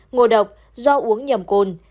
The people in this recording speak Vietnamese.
ngộ độc do uống nhầm côn